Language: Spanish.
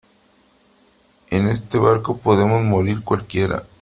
en este barco podemos morir cualquiera